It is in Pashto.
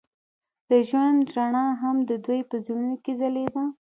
د ژوند رڼا هم د دوی په زړونو کې ځلېده.